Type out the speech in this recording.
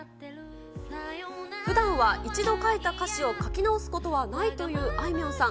ふだんは一度書いた歌詞を書き直すことはないというあいみょんさん。